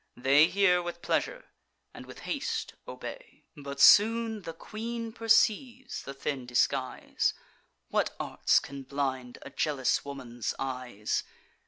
They hear with pleasure, and with haste obey. But soon the queen perceives the thin disguise: (What arts can blind a jealous woman's eyes!)